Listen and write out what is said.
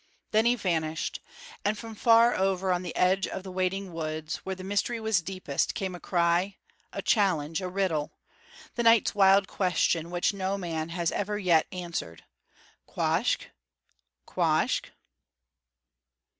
Then he vanished; and from far over on the edge of the waiting woods, where the mystery was deepest, came a cry, a challenge, a riddle, the night's wild question which no man has ever yet answered _Quoskh? quoskh?